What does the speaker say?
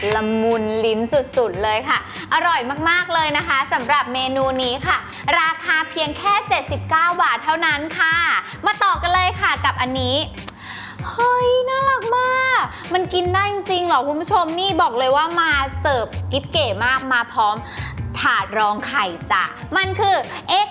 ละมุนลิ้นสุดสุดเลยค่ะอร่อยมากมากเลยนะคะสำหรับเมนูนี้ค่ะราคาเพียงแค่๗๙บาทเท่านั้นค่ะมาต่อกันเลยค่ะกับอันนี้เฮ้ยน่ารักมากมันกินได้จริงจริงเหรอคุณผู้ชมนี่บอกเลยว่ามาเสิร์ฟกิ๊บเก๋มากมาพร้อมถาดรองไข่จ้ะมันคือเอก